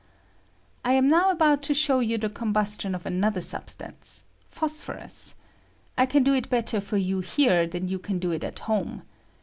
I am now about to show you the combustion of another substance — phosphorus. I can do it better for you here than you can do it at home.